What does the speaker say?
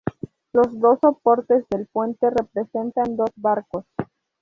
Los dos soportes del puente representan dos barcos.